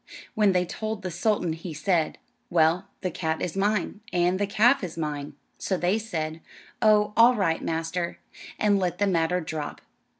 When they told the sultan he said, "Well, the cat is mine, and the calf is mine." So they said, "Oh, all right, master," and let the matter drop.